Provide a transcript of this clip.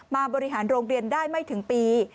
บริหารโรงเรียนได้ไม่ถึงปี